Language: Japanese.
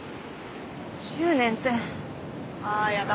１０年ってああーやだ